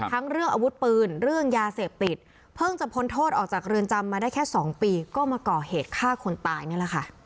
เรื่องอาวุธปืนเรื่องยาเสพติดเพิ่งจะพ้นโทษออกจากเรือนจำมาได้แค่๒ปีก็มาก่อเหตุฆ่าคนตายนี่แหละค่ะ